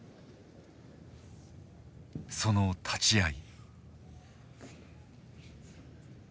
その立ち合い。